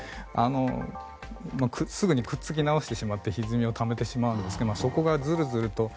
すぐにくっつき直してしまってひずみをためてしまうんですけどそこがずるずると。